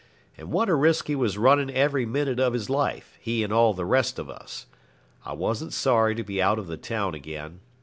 And what a risk he was running every minute of his life, he and all the rest of us. I wasn't sorry to be out of the town again.